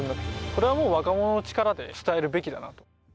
これはもう若者の力で伝えるべきだなと。